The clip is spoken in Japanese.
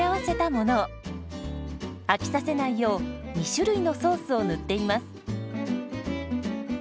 飽きさせないよう２種類のソースを塗っています。